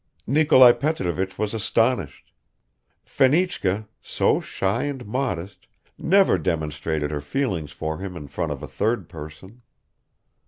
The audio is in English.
Nikolai Petrovich was astonished; Fenichka, so shy and modest, never demonstrated her feelings for him in front of a third person.